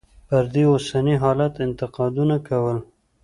پر دې اوسني حالت انتقادونه کول.